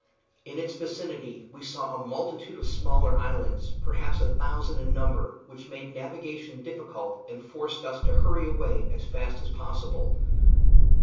In its vicinity we saw a multitude of smaller islands, perhaps a thousand in number, which made navigation difficult, and forced us to hurry away as fast as possible.